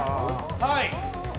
はい。